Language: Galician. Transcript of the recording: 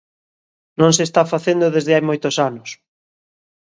Non se está facendo desde hai moitos anos.